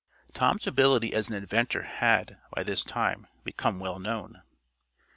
Tom's ability as an inventor had, by this time, become well known.